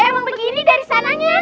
emang begini dari sananya